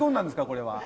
これは。